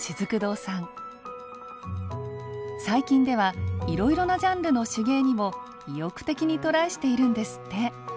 最近ではいろいろなジャンルの手芸にも意欲的にトライしているんですって。